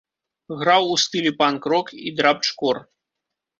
Граў у стылі панк-рок і драбч-кор.